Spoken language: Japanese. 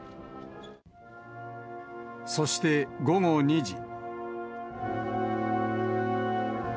そして、午後２時。